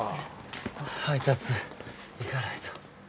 配達行かないと。